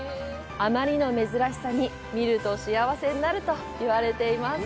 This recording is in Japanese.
あまりの珍しさに、見ると幸せになると言われています。